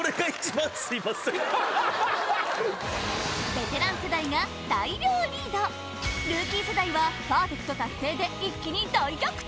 ベテラン世代が大量リードルーキー世代はパーフェクト達成で一気に大逆転